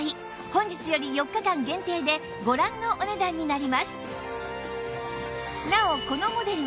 本日より４日間限定でご覧のお値段になります